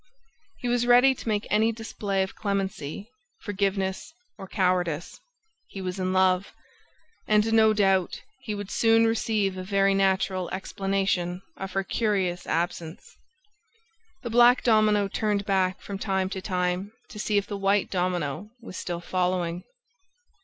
He was ready to make any display of clemency, forgiveness or cowardice. He was in love. And, no doubt, he would soon receive a very natural explanation of her curious absence. The black domino turned back from time to time to see if the white domino was still following.